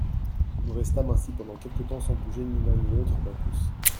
Nous restâmes ainsi pendant quelque temps sans bouger ni l'un ni l'autre d'un pouce.